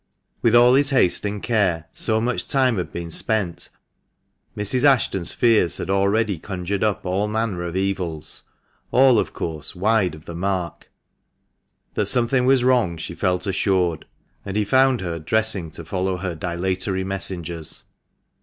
With all his haste and care, so much time had been spent, Mrs. Ashton's fears had already conjured up all manner of evils, all, of course, wide of the mark. That something was wrong she felt assured, and he found her dressing to follow her dilatory messengers.